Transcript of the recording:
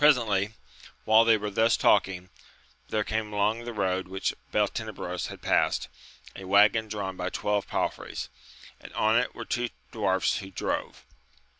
Presently, while they were thus talking, there came along the road which Beltenebros had passed, a waggon drawn by twelve palfreys, and on it were two dwarfs who drove.